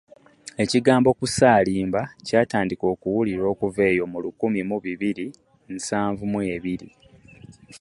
Ekigambo “Kusaalimba” kyatandika okuwulirwa okuva eyo mu lukumi mu bibiri nsanvu mu ebiri.